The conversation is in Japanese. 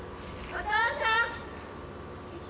お父さん！